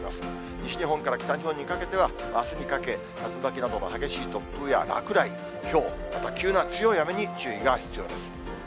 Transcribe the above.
西日本から北日本にかけては、あすにかけ、竜巻などの激しい突風や落雷、ひょう、また急な強い雨に注意が必要です。